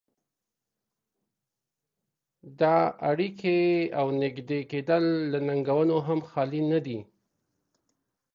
دا اړيکې او نږدې کېدل له ننګونو هم خالي نه دي.